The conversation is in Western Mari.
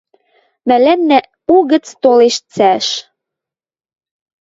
Мӓлӓннӓ угӹц толеш цӓш.